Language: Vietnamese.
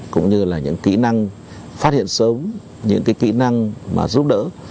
cũng như là những kỹ năng phát hiện sớm những cái kỹ năng mà giúp đỡ